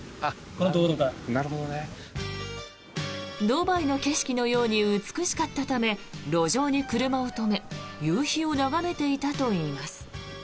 ドバイの景色のように美しかったため路上に車を止め夕日を眺めていたといいます。